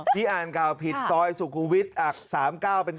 ที่อ่านข่าวผิดซอยสุขุมวิทย์อัก๓๙เป็น๙